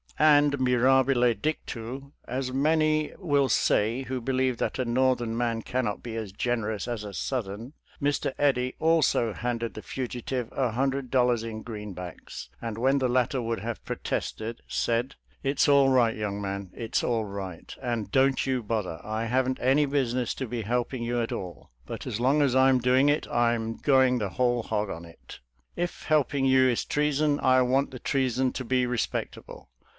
And, mirabile dictu, as many will say who believe that a North ern man cannot be as generous as a Southern, Mr. Eddy also handed the fugitive a hundred dollars in greenbacks, and when the latter would have protested, said, " It's all right, young man — it's all right, and don't you bother. I haven't any business to be helping you at all, but as long as I am doing it, I am ' going the whole hog ' on it. If help ing you is treason, I want the treason to be re spectable.